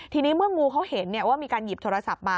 ทีนี้เมื่องูเขาเห็นว่ามีการหยิบโทรศัพท์มา